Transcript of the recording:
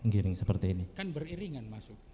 ngiring seperti ini kan beriringan